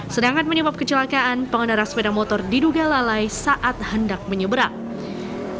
sedangkan penyebab kecelakaan pengendara sepeda motor diduga lalai saat hendak menyeberang